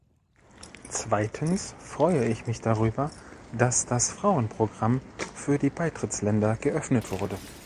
Zweitens freue ich mich darüber, dass das Frauenprogramm für die Beitrittsländer geöffnet wurde.